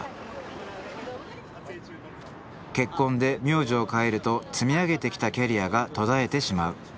結婚で名字を変えると積み上げてきたキャリアが途絶えてしまう。